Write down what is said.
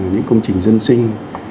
những công trình dân sinh